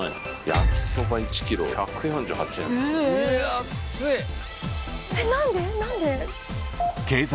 焼きそば１ｋｇ１４８円ですって。